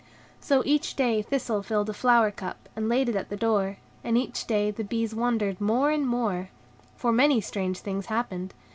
So each day Thistle filled a flower cup, and laid it at the door; and each day the bees wondered more and more, for many strange things happened.